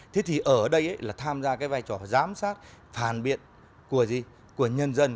thế thì ở đây là tham gia cái vai trò giám sát phản biệt của nhân dân